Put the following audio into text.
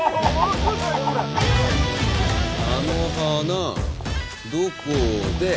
これ「あの花どこで」